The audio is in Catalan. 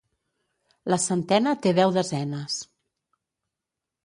La centena té deu desenes.